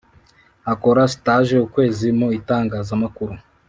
akora stage ukwezi mu itangazamakuru,